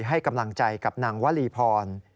ให้กำลังใจกับนางวลีพร